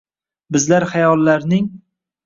Bizlar xayollarning